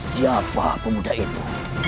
siapa pemuda itu